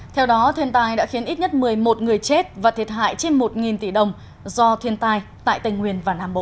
theo đó thiên tai đã khiến ít nhất một mươi một người chết và thiệt hại trên một tỷ đồng do thiên tai tại tây nguyên và nam bộ